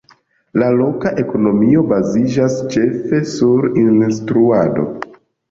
La loka ekonomio baziĝas ĉefe sur instruado.